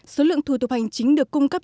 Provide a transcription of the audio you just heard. số lượng thủ tục hành chính được cung cấp